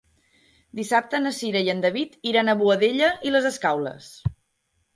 Dissabte na Cira i en David iran a Boadella i les Escaules.